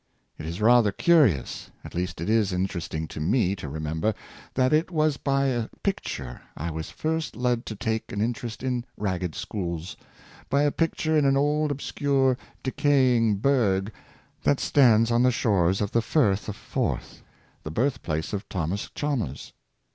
It is rather cu rious— at least it is interesting to me to remember — that it was by a picture I was first led to take an in terest in ragged schools — by a picture in an old, obscure, decaying burgh that stands on the shores of the Frith of Forth, the birth place of Thomas Chalmers.